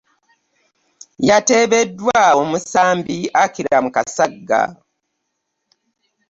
Yteebeddwa omusambi Akram Kasagga.